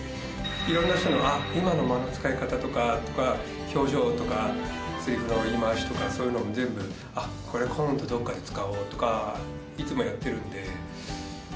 いろんな人のあっ今の間の使い方とか表情とかセリフの言い回しとかそういうのも全部あっこれ今度どっかで使おうとかいつもやってるんで。